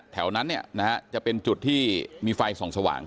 แถวนั้นเนี่ยนะฮะจะเป็นจุดที่มีไฟส่องสว่าง